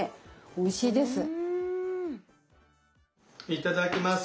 いただきます。